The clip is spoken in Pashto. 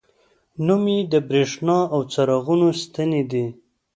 نوم یې د بریښنا او څراغونو ستنې دي.